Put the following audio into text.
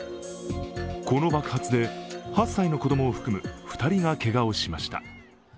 この爆発で８歳の子供を含む２人がけがをしました。